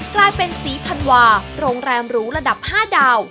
กลายเป็นศรีธันวาโรงแรมหรูระดับ๕ดาว